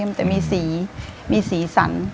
ไม่ค่อยเข้มแต่มีสีมีสีสัน